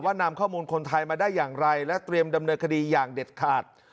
นำข้อมูลคนไทยมาได้อย่างไรและเตรียมดำเนินคดีอย่างเด็ดขาด